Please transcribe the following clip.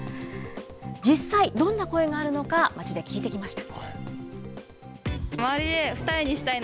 実際、どんな声があるのか、街で聞いてきました。